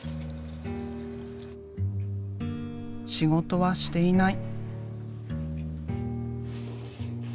仕事はしていない。